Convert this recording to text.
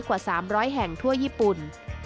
กว่า๓๐๐แห่งทั่วญี่ปุ่น